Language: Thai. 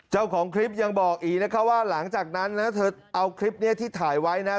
เจ้าของคลิปยังบอกอีกนะคะว่าหลังจากนั้นนะเธอเอาคลิปนี้ที่ถ่ายไว้นะ